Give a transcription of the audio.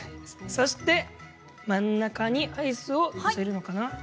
そして真ん中にアイスを載せるのかな。